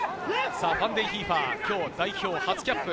ファンデンヒーファー、今日、代表初キャップ。